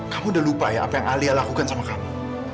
kamu udah lupa ya apa yang alia lakukan sama kamu